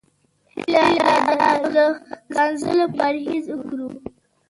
هيله ده له ښکنځلو پرهېز وکړو.